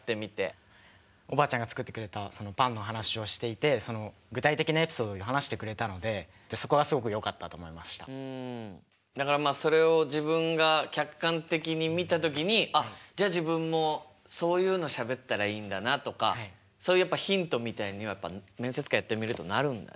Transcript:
おばあちゃんが作ってくれたパンの話をしていてそのだからそれを自分が客観的に見た時に「あっじゃあ自分もそういうのしゃべったらいいんだな」とかそういうヒントみたいにはやっぱ面接官やってみるとなるんだね。